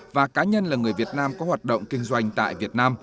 và cá nhân là người việt nam có hoạt động kinh doanh tại việt nam